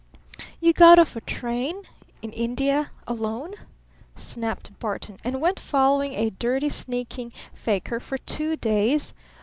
"You got off a train? In India? Alone?" snapped Barton. "And went following a dirty, sneaking fakir for two days?